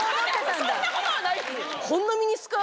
そんなことはないですよ。